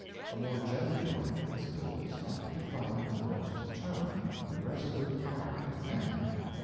A more genuine principle is not to be found in the most determined, resolute heart of man.